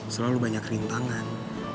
selalu banyak rintangan